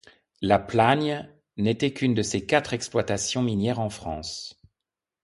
La Plagne n'était qu'une de ses quatre exploitations minières en France.